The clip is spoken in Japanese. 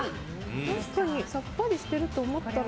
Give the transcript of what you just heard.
確かにさっぱりしてると思ったら。